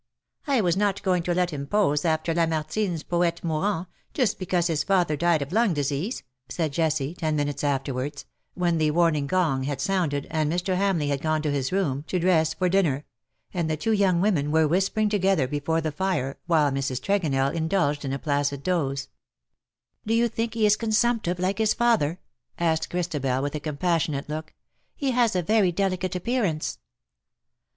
" I was not going to let him pose after Lamartine^s 'poete mourant, just because his father died of lung disease,^' said Jessie, ten minutes after wards, when the warning gong had sounded, and Mr. Hamleigh had gone to his room to dress for dinner, and the two young women were Avhispering together before the fire, while Mrs. Trcgonell indulged in a placid doze. 56 BUT THEN CAME ONE, *'Do you think he is consumptive, like hia father?" asked Christabel, with a compassionate look j *' he has a very delicate appearance.